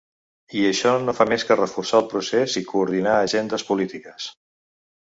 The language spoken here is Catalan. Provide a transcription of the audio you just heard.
I això no fa més que reforçar el procés i coordinar agendes polítiques.